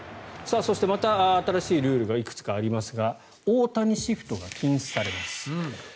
そしてまた、新しいルールがいくつかありますが大谷シフトが禁止されます。